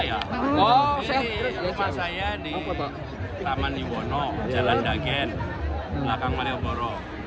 ini rumah saya di taman iwono jalan dagen belakang malioboro